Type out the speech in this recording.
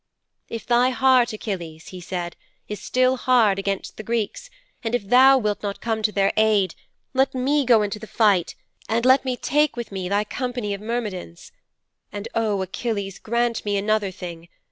'"If thy heart, Achilles," he said, "is still hard against the Greeks, and if thou wilt not come to their aid, let me go into the fight and let me take with me thy company of Myrmidons. And O Achilles, grant me another thing.